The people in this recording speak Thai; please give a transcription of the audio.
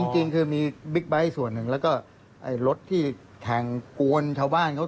จริงคือมีบิ๊กไบท์ส่วนหนึ่งแล้วก็รถที่แข่งกวนชาวบ้านเขา